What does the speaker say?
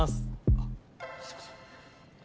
あっすいません。